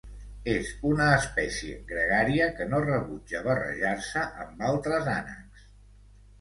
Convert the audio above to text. És una espècie gregària que no rebutja barrejar-se amb altres ànecs.